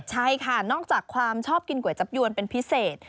ใช่ค่ะนอกจากความชอบกินก๋วยจับยวนเป็นพิเศษ